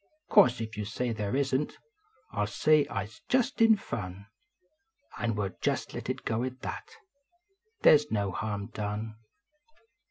Course, if you say the} isn t, I ll say I s just in fun, And we ll just 1ft it go at that They s no harm done.